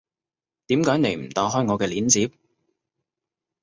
點解你唔打開我嘅鏈接